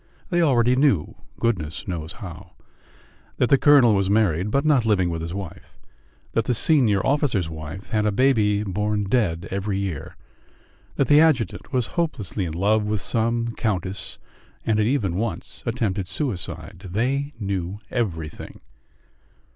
They already knew, goodness knows how, that the colonel was married, but not living with his wife; that the senior officer's wife had a baby born dead every year; that the adjutant was hopelessly in love with some countess, and had even once attempted suicide. They knew everything.